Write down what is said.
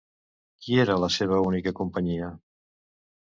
Qui era la seva única companyia?